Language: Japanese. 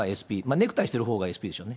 ネクタイしてるほうがＳＰでしょうね。